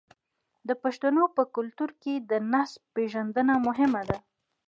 د پښتنو په کلتور کې د نسب پیژندنه مهمه ده.